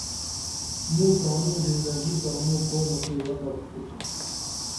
موں تانوں زندگی تانوں قومہ کی وقف کؙوتھوم۔